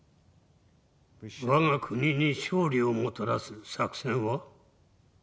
我が国に勝利をもたらす作戦は？